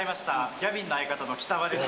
ギャビンの相方のきたばです。